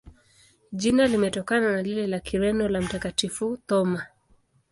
Jina limetokana na lile la Kireno la Mtakatifu Thoma.